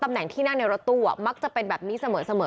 แหน่งที่นั่งในรถตู้มักจะเป็นแบบนี้เสมอ